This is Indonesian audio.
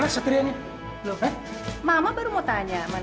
satria keluar kamu